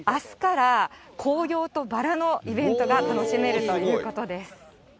なので、あすから紅葉とバラのイベントが楽しめるということです。